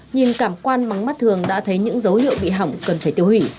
nhìn cảm quan mắm mắt thường đã thấy những dấu hiệu bị hỏng cần phải tiêu hủy